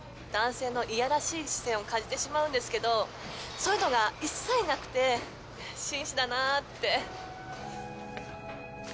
男性のいやらしい視線を感じてしまうんですけどそういうのが一切なくて紳士だなって。